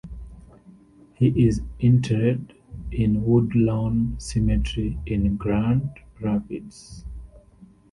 He is interred in Woodlawn Cemetery in Grand Rapids.